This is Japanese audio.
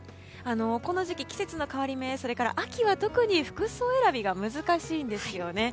この時期、季節の変わり目それから秋は特に服装選びが難しいですよね。